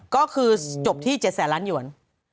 ก็คือจบที่๗แสนล้านหยวน